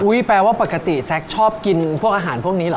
อุ้ยแปลว่าปกติแซ็กชอบกินอาหารพวกนี้หรอ